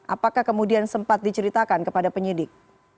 apakah kemudian sempat diceritakan kepada penyidik